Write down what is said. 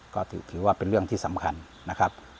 ก็ถือว่าเป็นเรื่องที่สำคัญนะครับ